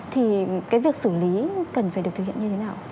thì cái việc xử lý cần phải được thực hiện như thế nào